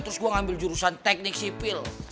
terus gue ngambil jurusan teknik sipil